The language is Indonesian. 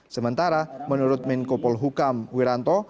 sementara menurut menkopol hukam wiranto